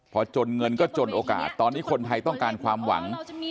พอจนเงินก็จนโอกาสตอนนี้คนไทยต้องการความหวัง